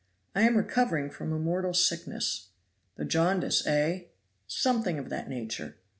"I am recovering from a mortal sickness." "The jaundice, eh?" "Something of that nature."